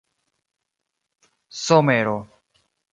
somero